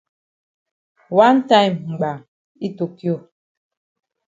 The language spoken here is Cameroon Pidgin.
Wan time gbam yi tokio.